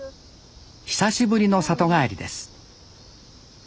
久しぶりの里帰りです